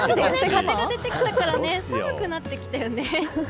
風が出てきたから寒くなってきたよね。